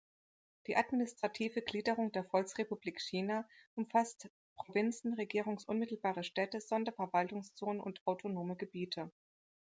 Die Administrative Gliederung der Volksrepublik China umfasst Provinzen, regierungsunmittelbare Städte, Sonderverwaltungszonen und Autonome Gebiete.